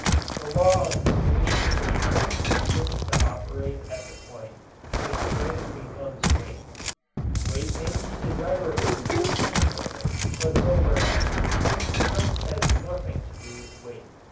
The law of diminishing returns begins to operate at the point where strength becomes weight. Weight may be desirable in a steam roller but nowhere else. Strength has nothing to do with weight.